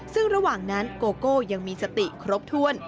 ซึ่งระหว่างนั้นโกโก้ยังมีสติครบถ้วน